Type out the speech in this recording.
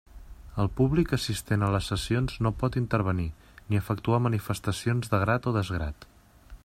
El públic assistent a les sessions no pot intervenir, ni efectuar manifestacions de grat o desgrat.